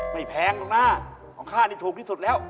ไม่แพงนะของข้านี้ถูกที่สุดแล้ว